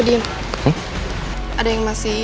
diam ada yang masih